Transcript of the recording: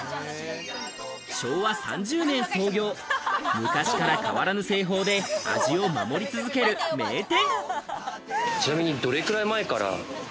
昭和３０年創業、昔から変わらぬ製法で味を守り続ける名店。